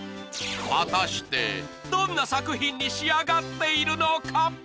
果たしてどんな作品に仕上がっているのか？